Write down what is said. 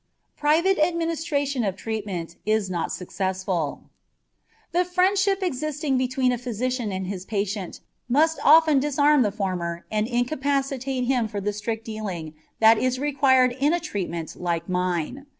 PRIVATE ADMINISTRATION OF TREATMENT NOT SUCCESSFUL The friendship existing between a physician and his patient must often disarm the former and incapacitate him for the strict dealing that is required in a treatment like mine.